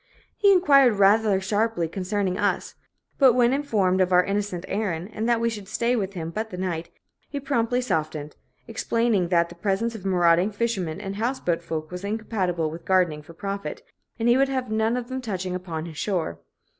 He inquired rather sharply concerning us, but when informed of our innocent errand, and that we should stay with him but the night, he promptly softened, explaining that the presence of marauding fishermen and house boat folk was incompatible with gardening for profit, and he would have none of them touch upon his shore.